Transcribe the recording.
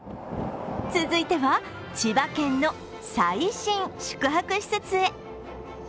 続いては、千葉県の最新宿泊施設へ。